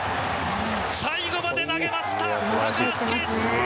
最後まで投げました。